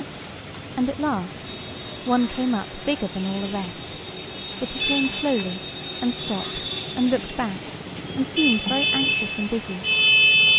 And at last one came up bigger than all the rest; but he came slowly, and stopped, and looked back, and seemed very anxious and busy.